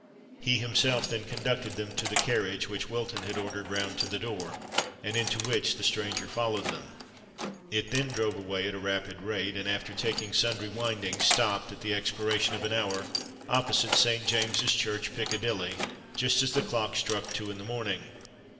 He himself then conducted them to the carriage which Wilton had ordered round to the door, and into which the stranger followed them. It then drove away at a rapid rate; and, after taking sundry windings, stopped, at the expiration of an hour, opposite St. James's church, Piccadilly, just as the clock struck two in the morning.